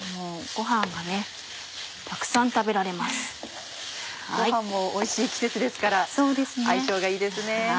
ご飯もおいしい季節ですから相性がいいですね。